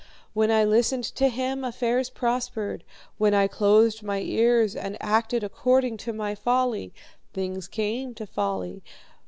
When I listened to him, affairs prospered; when I closed my ears, and acted according to my folly, things came to folly.